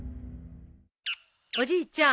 おじいちゃん